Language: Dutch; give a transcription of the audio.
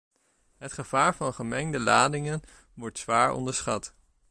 Het gevaar van gemengde ladingen word zwaar onderschat.